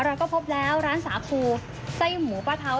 เราก็พบแล้วร้านสาคูไส้หมูปะเทา